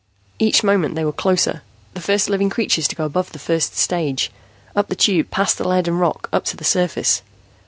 Each moment they were closer, the first living creatures to go above the first stage, up the Tube past the lead and rock, up to the surface.